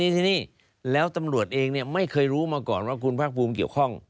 ที่นี่แล้วตำรวจเองไม่เคยรู้มาก่อนว่าคุณภาคภูมิเกี่ยวข้อง